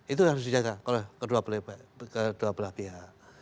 itu harus dijaga oleh kedua belah pihak